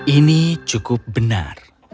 ini cukup benar